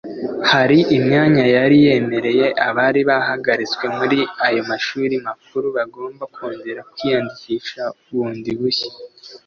hari imyanya yari yemereye abari barahagaritwse muri ayo mashuri makuru bagomba kongera kwiyandikisha bundi bushya.